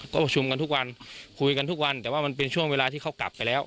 ก็ประชุมกันทุกวันคุยกันทุกวันแต่ว่ามันเป็นช่วงเวลาที่เขากลับไปแล้ว